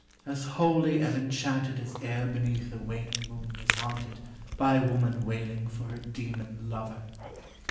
as holy and enchanted As e'er beneath a waning moon was haunted By woman wailing for her demon lover